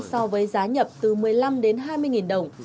so với giá nhập từ một mươi năm đến hai mươi đồng